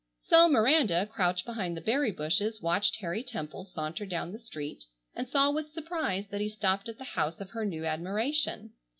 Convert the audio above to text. So Miranda, crouched behind the berry bushes, watched Harry Temple saunter down the street and saw with surprise that he stopped at the house of her new admiration.